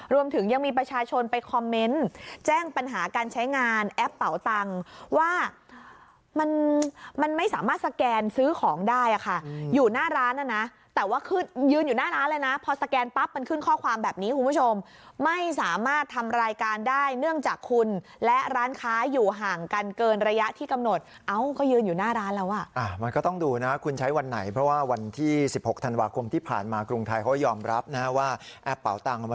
รวมถึงยังมีประชาชนไปคอมเมนต์แจ้งปัญหาการใช้งานแอปเป๋าตังว่ามันมันไม่สามารถสแกนซื้อของได้อ่ะค่ะอยู่หน้าร้านแล้วนะแต่ว่าขึ้นยืนอยู่หน้าร้านแล้วนะพอสแกนปั๊บมันขึ้นข้อความแบบนี้คุณผู้ชมไม่สามารถทำรายการได้เนื่องจากคุณและร้านค้าอยู่ห่างกันเกินระยะที่กำหนดเอ้าก็ยืนอยู่หน้าร้านแล้วอ่